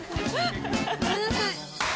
ごめんなさい。